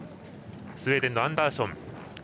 スウェーデンのアンダーション。